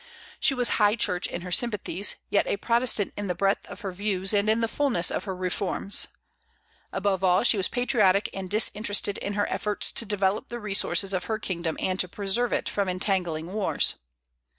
She was high church in her sympathies, yet a Protestant in the breadth of her views and in the fulness of her reforms. Above all, she was patriotic and disinterested in her efforts to develop the resources of her kingdom and to preserve it from entangling wars.